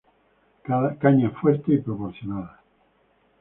Caña fuerte y proporcionada.